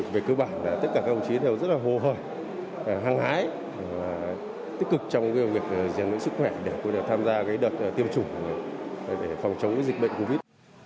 về cơ bản tất cả các ông chí đều rất hồ hồi hăng hái tích cực trong việc giam sửa sức khỏe để tham gia đợt tiêm chủng để phòng chống dịch bệnh covid một mươi chín